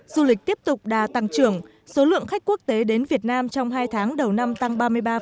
du lịch tiếp tục đà tăng trưởng số lượng khách quốc tế đến việt nam trong hai tháng đầu năm tăng